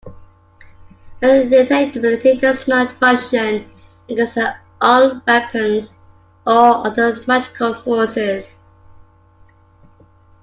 Her intangibility does not function against her own weapons or other magical forces.